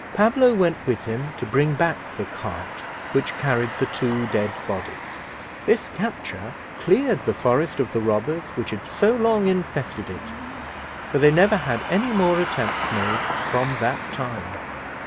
Pablo went with him to bring back the cart which carried the two dead bodies. This capture cleared the forest of the robbers which had so long infested it, for they never had any more attempts made from that time.